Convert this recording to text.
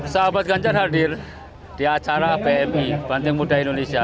sahabat ganjar hadir di acara pmi banteng muda indonesia